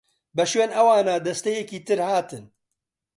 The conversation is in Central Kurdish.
بە شوێن ئەوانا دەستەیەکی تر هاتن.